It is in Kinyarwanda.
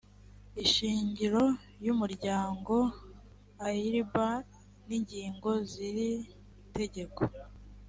ishingiro y umuryango s d airiba n ingingo z iri tegeko